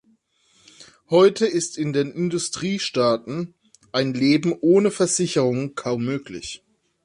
Heute ist in den Industriestaaten ein Leben ohne Versicherungen kaum möglich.